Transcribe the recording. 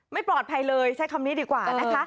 ไม่ปลอดภัยเลยใช้คำนี้ดีกว่านะคะ